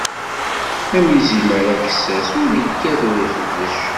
Am izimer aksas, ur ikkat ur ixebbec.